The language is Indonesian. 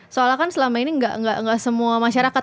soalnya kan selama ini nggak semua masyarakat